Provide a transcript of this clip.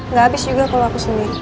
nggak habis juga kalau aku sendiri